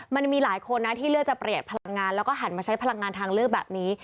มันมีหลายคนนะที่เลือกจะประหยัดพลังงานแล้วก็หันมาใช้พลังงานทางเลือกแบบนี้